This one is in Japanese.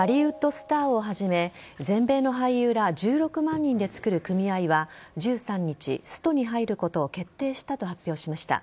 スターをはじめ全米の俳優ら１６万人でつくる組合は１３日、ストに入ることを決定したと発表しました。